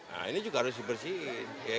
nah ini juga harus dibersihin